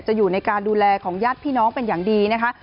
จะอยู่ในการดูแลของของอย่างดีนะคะ